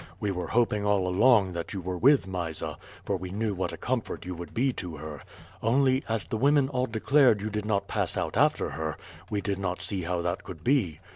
We were hoping all along that you were with Mysa, for we knew what a comfort you would be to her. Only, as the women all declared you did not pass out after her, we did not see how that could be.